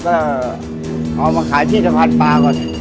ก็เอามาขายที่สะพานปลาก่อน